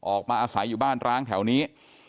อาศัยอยู่บ้านร้างแถวนี้